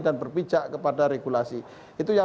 dan berpijak kepada regulasi itu yang